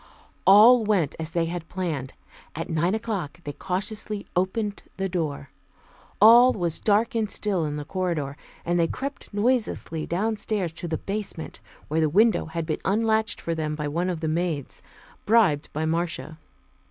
All went as they had planned. At nine o'clock they cautiously opened the door. All was dark and still in the corridor, and they crept noiselessly downstairs to the basement, where the window had been unlatched for them by one of the maids, bribed by Marcia.